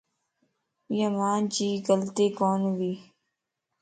ايا مانجي غلطي ڪون وي.